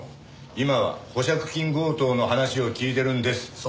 今は保釈金強盗の話を聞いてるんです。